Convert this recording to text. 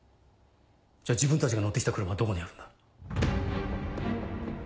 じゃあ自分たちが乗って来た車はどこにあるんだ？